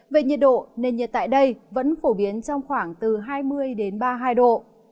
về nhiệt độ nền nhiệt tại đây vẫn phổ biến trong khoảng từ hai mươi ba mươi hai độ